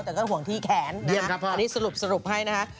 แต่ก็ห่วงที่แขนอันนี้สรุปให้นะคะ